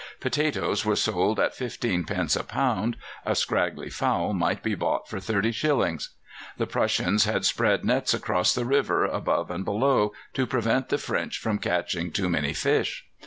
Potatoes were sold at fifteen pence a pound; a scraggy fowl might be bought for thirty shillings. The Prussians had spread nets across the river, above and below, to prevent the French from catching too many fish.